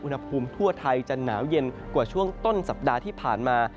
อุณหภูมิทั่วไทยจะหนาวเย็นกว่าช่วงต้นสัปดาห์ที่ผ่านมา